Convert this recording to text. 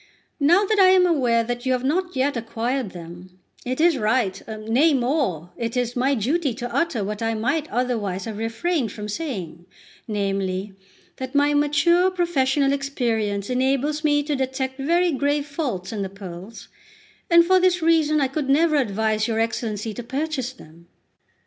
Now that I am aware you have not yet acquired them, it is right, nay, more, it is my duty to utter what I might otherwise have refrained from saying, namely, that my mature professional experience enables me to detect very grave faults in the pearls, and for this reason I could never advise your Excellency to purchase them."